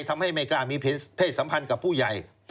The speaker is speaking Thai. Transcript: ไม่กล้ามีเพศสัมพันธ์กับผู้ใหญ่